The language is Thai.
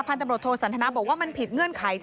ตำรวจโทสันทนาบอกว่ามันผิดเงื่อนไข